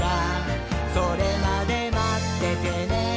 「それまでまっててねー！」